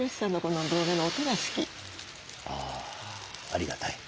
あありがたい。